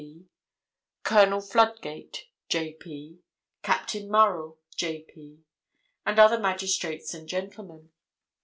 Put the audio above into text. P., Colonel Fludgate, J.P., Captain Murrill, J.P., and other magistrates and gentlemen.